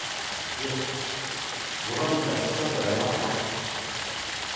いえご家族が付き添っておられますから。